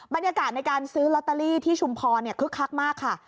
บรรยากาศในการซื้อลอตเตอรี่ที่ชุมพรคึกคักมากค่ะ